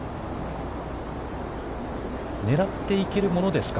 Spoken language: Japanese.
狙っていけるものですか。